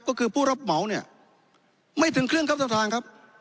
ก็คือผู้รับเหมาเนี่ยไม่ถึงเครื่องครับสัมภัณฑ์ครับ